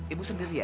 ibu sendiri ya